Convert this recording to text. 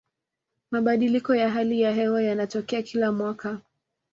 mabadiliko ya hali ya hewa yanatokea kila mwaka